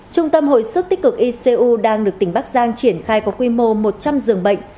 trung tâm hồi sức tích cực icu đang được tỉnh bắc giang triển khai có quy mô một trăm linh giường bệnh